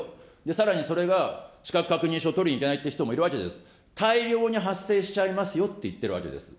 さらにそれが資格確認書を取りに行けないっていう人もいるわけです、大量に発生しちゃいますよって言ってるわけです。